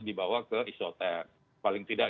dibawa ke isoter paling tidak